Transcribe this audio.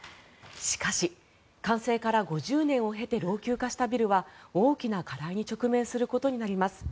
しかし、完成から５０年を経て老朽化したビルは大きな課題に直面することになります。